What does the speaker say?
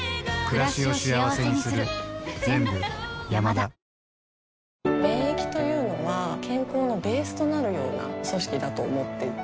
田んぼの中、３頭、走ってい免疫というのは健康のベースとなるような組織だと思っていて。